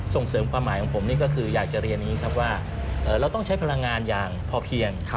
ส่งเสริมความหมายของผมก็คืออยากจะเรียนว่าเราต้องใช้พลังงานอย่างพอเพียง